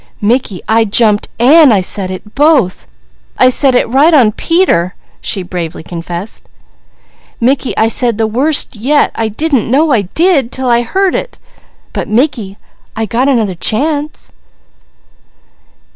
"Mickey, I jumped, an' I said it, both. I said it right on Peter," she bravely confessed. "Mickey, I said the worst yet! I didn't know I did, 'til I heard it! But Mickey, I got another chance!"